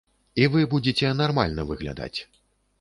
І вы будзеце нармальна выглядаць.